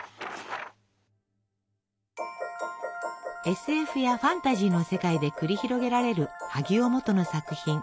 ＳＦやファンタジーの世界で繰り広げられる萩尾望都の作品。